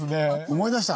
思い出した。